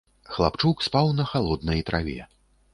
Хлапчук спаў на халоднай траве.